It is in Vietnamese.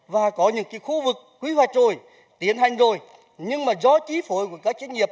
và có những khu vực quy hoạch rồi tiến hành rồi nhưng mà do trí phổi của các trách nhiệm